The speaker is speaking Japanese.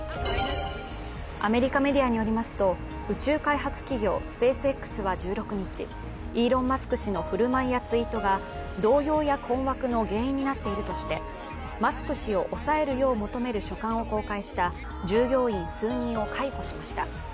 アメリカメディアによりますと、宇宙開発企業スペースＸは１６日、イーロン・マスク氏の振る舞いやツイートが動揺や困惑の原因になっているとしてマスク氏を抑えるよう求める書簡を公開した従業員数人を解雇しました。